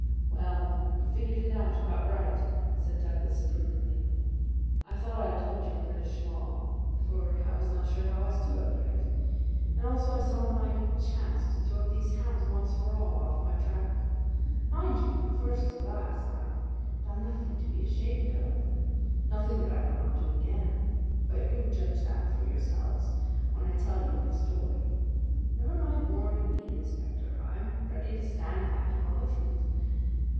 "Well, you figured it out about right," said Douglas approvingly. "I thought I'd dodge your British law; for I was not sure how I stood under it, and also I saw my chance to throw these hounds once for all off my track. Mind you, from first to last I have done nothing to be ashamed of, and nothing that I would not do again; but you'll judge that for yourselves when I tell you my story. Never mind warning me, Inspector: I'm ready to stand pat upon the truth.